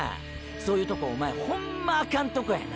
そういうとこおまえホンマアカンとこやな。